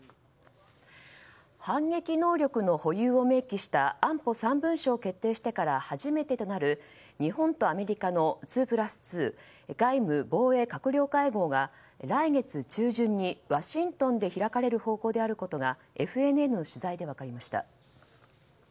反撃能力の保有を明記した安保３文書を決定してから初めてとなる、日本とアメリカの２プラス２・外務防衛閣僚会合が来月中旬にワシントンで開かれる方向であることがＦＮＮの取材で分かりました。